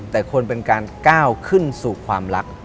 แต่ควรเป็นการก้าวขึ้นสู่ความรัก